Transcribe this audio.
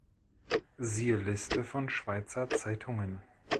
Siehe Liste von Schweizer Zeitungen.